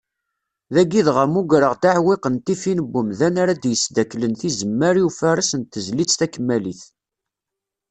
Dagi dɣa mmugreɣ-d aɛewwiq n tifin n umdan ara d-yesdakklen tizemmar i ufares n tezlit takemmalit.